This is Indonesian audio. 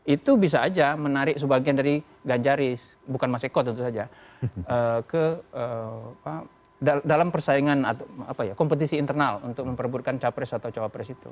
itu bisa aja menarik sebagian dari ganjaris bukan mas eko tentu saja ke dalam persaingan kompetisi internal untuk memperbutkan capres atau cawapres itu